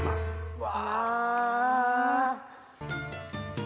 うわ！